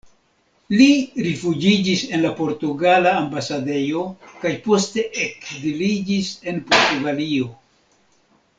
Li rifuĝiĝis en la portugala ambasadejo kaj poste ekziliĝis en Portugalio.